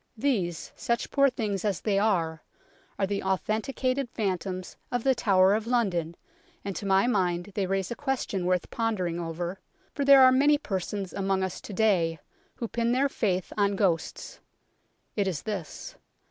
These, such poor things as they are, are the authenticated phantoms of The Tower of London, and to my mind they raise a question worth pondering over, for there are many persons among us to day who pin their faith on ghosts. It is this.